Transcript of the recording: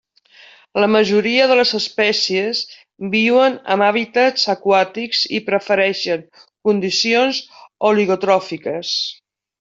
La majoria de les espècies viuen en hàbitats aquàtics i prefereixen condicions oligotròfiques.